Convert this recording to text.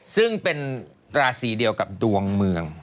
ซึ่งเป็นราศีเดียวกับดวงเมือง